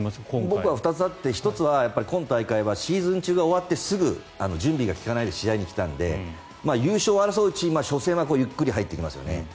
僕は２つあって１つは今大会はシーズン中が終わってすぐ準備が利かないで試合に来たので優勝を争うチームは、初戦はゆっくり入ってきますよね。